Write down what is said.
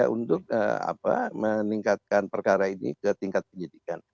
untuk meningkatkan perkara ini ke tingkat penyidikan